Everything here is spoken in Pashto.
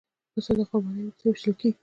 پسه د قربانۍ وروسته وېشل کېږي.